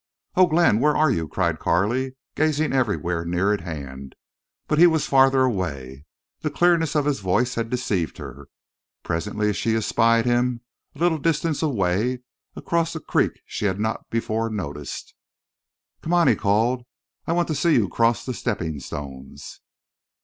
"Oh, Glenn, where are you?" cried Carley, gazing everywhere near at hand. But he was farther away. The clearness of his voice had deceived her. Presently she espied him a little distance away, across a creek she had not before noticed. "Come on," he called. "I want to see you cross the stepping stones."